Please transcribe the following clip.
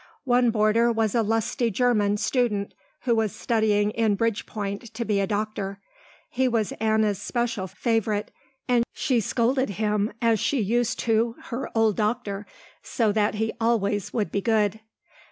One boarder was a lusty german student who was studying in Bridgepoint to be a doctor. He was Anna's special favourite and she scolded him as she used to her old doctor so that he always would be good.